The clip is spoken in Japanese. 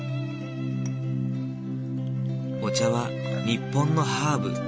お茶は日本のハーブ。